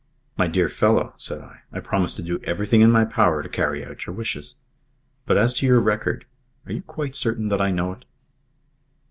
"My dear fellow," said I, "I promise to do everything in my power to carry out your wishes. But as to your record are you quite certain that I know it?"